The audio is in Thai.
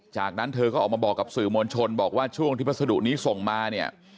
จากนั้นเธอก็ออกมาบอกกับสื่อมวลชนบอกว่าช่วงที่พัสดุนี้ส่งมาเนี่ย